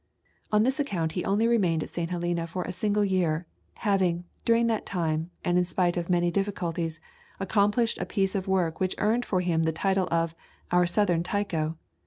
On this account he only remained at St. Helena for a single year, having, during that time, and in spite of many difficulties, accomplished a piece of work which earned for him the title of "our southern Tycho."